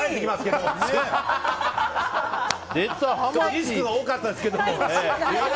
リスクが多かったですけども。